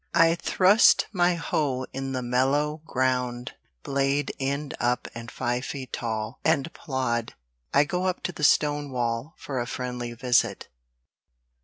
I thrust my hoe in the mellow ground, Blade end up and five feet tall, And plod: I go up to the stone wall For a friendly visit.